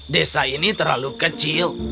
desa ini terlalu kecil